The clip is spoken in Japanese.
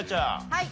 はい。